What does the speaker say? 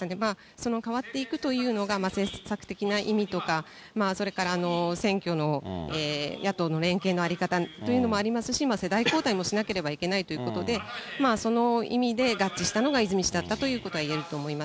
その変わっていくというのが、政策的な意味とか、それから選挙の野党の連携の在り方というのもありますし、世代交代もしなければいけないということで、その意味で合致したのが泉氏だったということが言えると思います。